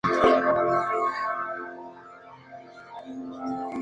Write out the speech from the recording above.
Además se desempeñó como evaluador de concursos de dramaturgia y dirigió memorias y seminarios.